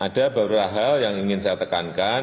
ada beberapa hal yang ingin saya tekankan